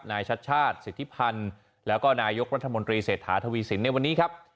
ชัดชาติสิทธิพันธ์แล้วก็นายกรัฐมนตรีเศรษฐาทวีสินในวันนี้ครับ